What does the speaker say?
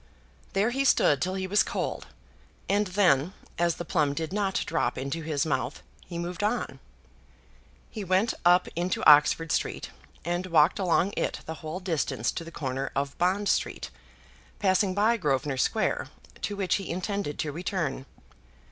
There he stood till he was cold, and then, as the plum did not drop into his mouth, he moved on. He went up into Oxford Street, and walked along it the whole distance to the corner of Bond Street, passing by Grosvenor Square, to which he intended to return.